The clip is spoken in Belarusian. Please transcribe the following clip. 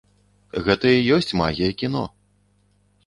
Гэта і ёсць магія кіно!